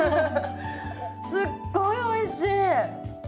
すっごいおいしい！